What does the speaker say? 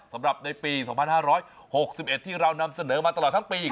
สำหรับในปี๒๕๖๑ที่เรานำเสนอมาตลอดทั้งปี